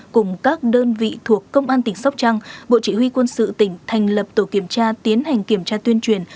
cùng các đơn vị thuộc công an tỉnh sóc trăng bộ chỉ huy quân sự tỉnh thành lập tổ kiểm tra tiến hành kiểm tra tuyên truyền